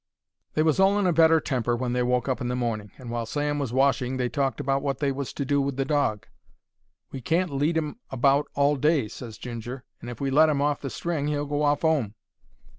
They was all in a better temper when they woke up in the morning, and while Sam was washing they talked about wot they was to do with the dog. "We can't lead 'im about all day," ses Ginger; "and if we let 'im off the string he'll go off 'ome."